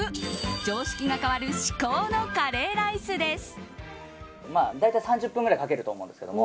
常識が変わる至高のカレーライスです。